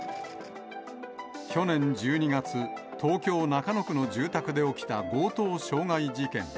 去年１２月、東京・中野区の住宅で起きた強盗傷害事件。